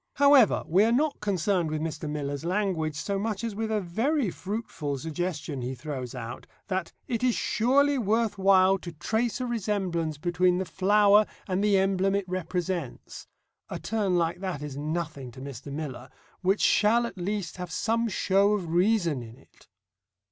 However, we are not concerned with Mr. Miller's language so much as with a very fruitful suggestion he throws out, that "it is surely worth while to trace a resemblance between the flower and the emblem it represents" (a turn like that is nothing to Mr. Miller) "which shall at least have some show of reason in it."